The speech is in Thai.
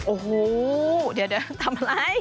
โอ้โหเดี๋ยวทำอะไร